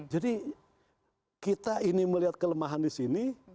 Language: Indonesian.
jadi kita ini melihat kelemahan di sini